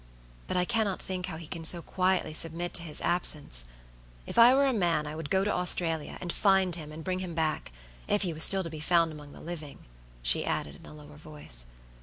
But I cannot think how he can so quietly submit to his absence. If I were a man, I would go to Australia, and find him, and bring him back; if he was still to be found among the living," she added, in a lower voice.